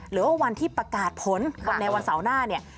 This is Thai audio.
หรือว่าวันที่ประกาศผลวันในวันเสาร์หน้าเนี่ย